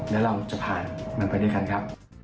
แล้วเราจะผ่านมันไปด้วยกันครับ